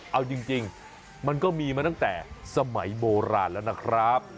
เอาจริงมันก็มีมาตั้งแต่สมัยโบราณแล้วนะครับ